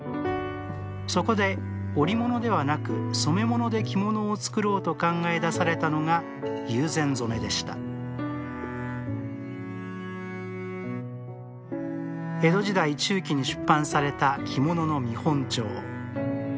そこで織物ではなく染物で着物を作ろうと考え出されたのが友禅染でした江戸時代中期に出版された着物の見本帳。